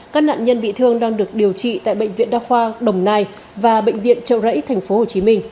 các nạn nhân bị thương đang được điều trị tại bệnh viện đa khoa đồng nai và bệnh viện trợ rẫy tp hcm